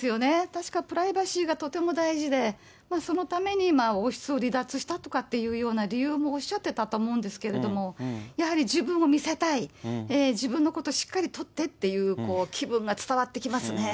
確か、プライバシーがとても大事で、そのために王室を離脱したとかって理由もおっしゃってたと思うんですけども、やはり自分を見せたい、自分のことしっかり撮ってっていう気分が伝わってきますね。